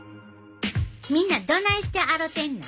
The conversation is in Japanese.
みんなどないして洗てんの？